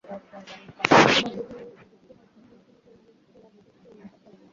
আবার দেশের নানা প্রান্ত থেকে রাজধানীমুখী নতুন মানুষ ডেরা বেঁধেছে পুরান ঢাকাতেও।